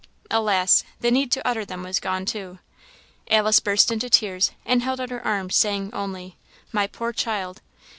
Alas! the need to utter them was gone too. Alice burst into tears, and held out her arms, saying only, "My poor child!"